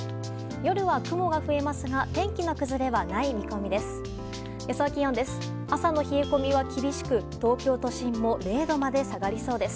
夜は雲が増えますが天気の崩れはない見込みです。